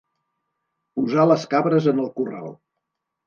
Posar les cabres en el corral.